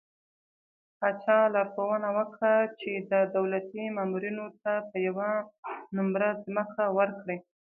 پاچا لارښوونه وکړه چې د دولتي مامورينو ته به يوه نمره ځمکه ورکړي .